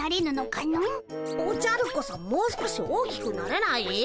おじゃるこそもう少し大きくなれない？